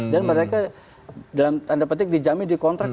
dan mereka dalam tanda penting dijamin di kontrak